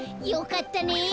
よかったね。